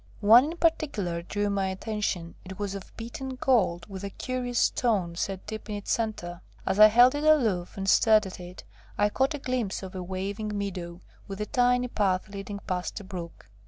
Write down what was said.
One in particular drew my attention; it was of beaten gold, with a curious stone set deep in its centre. As I held it aloof and stared at it, I caught a glimpse of a waving meadow, with a tiny path leading past a brook.